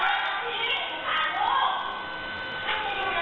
อย่าเหมือนดีขอโรคค่ะ